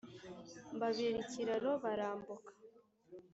Mbabera ikiraro barambuka,